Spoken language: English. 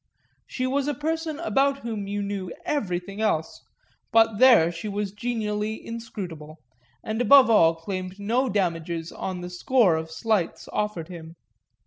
She was a person about whom you knew everything else, but there she was genially inscrutable, and above all claimed no damages on the score of slights offered him.